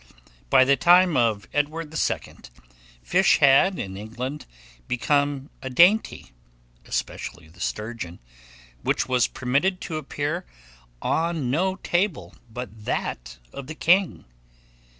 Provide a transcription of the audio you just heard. By the time of Edward II., fish had, in England, become a dainty, especially the sturgeon, which was permitted to appear on no table but that of the king.